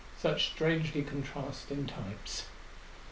Such strangely contrasting types!